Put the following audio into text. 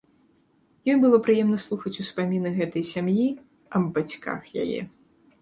Ёй было прыемна слухаць успаміны гэтай сям'і аб бацьках яе.